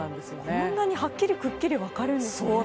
こんなにはっきり分かるんですね。